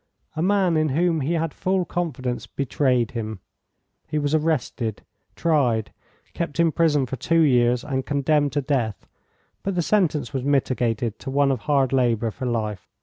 A man in whom he had full confidence betrayed him. He was arrested, tried, kept in prison for two years, and condemned to death, but the sentence was mitigated to one of hard labour for life.